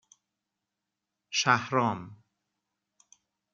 شهرام